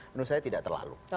menurut saya tidak terlalu